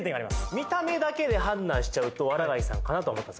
見た目だけで判断しちゃうと藁谷さんかなと思ったんです